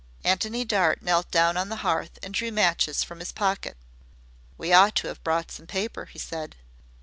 Antony Dart knelt down on the hearth and drew matches from his pocket. "We ought to have brought some paper," he said.